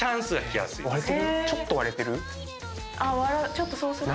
ちょっとそうすると。